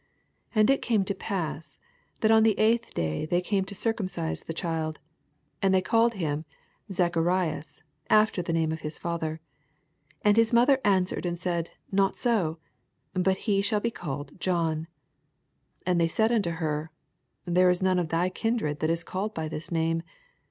59 And it came to pass, that on the eighth day they came to circumcise the child ; and they called him Zach arias, after the name of his father. 60 And his mother answered and said, Not «o / but he shall be called John. 61 And they said unto her, There is none of thy kindred that is called by this name.